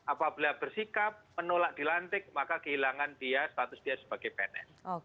apabila bersikap menolak dilantik maka kehilangan dia status dia sebagai pns